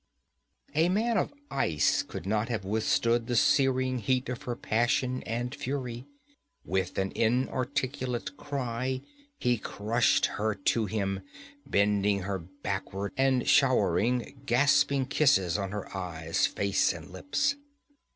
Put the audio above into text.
A man of ice could not have withstood the searing heat of her passion and fury. With an inarticulate cry he crushed her to him, bending her backward and showering gasping kisses on her eyes, face and lips.